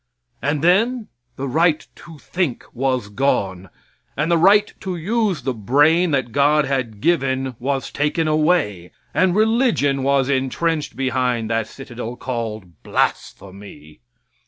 And then the right to think was gone, and the right to use the brain that God had given was taken away, and religion was entrenched behind that citadel called blasphemy.